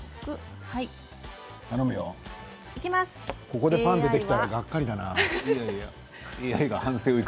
ここでパンが出てきたらがっかりだな。